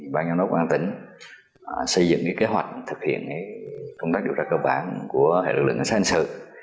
bang nhóm đốc bang tỉnh xây dựng kế hoạch thực hiện công tác điều tra cơ bản của hệ lực lực xã hội xã hội